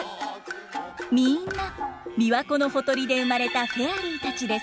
みんな琵琶湖のほとりで生まれたフェアリーたちです。